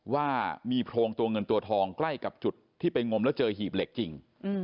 ว่ามีโพรงตัวเงินตัวทองใกล้กับจุดที่ไปงมแล้วเจอหีบเหล็กจริง